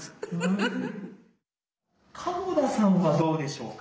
鴨田さんはどうでしょうか？